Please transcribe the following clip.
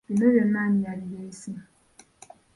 Bino byonna ani yabireese?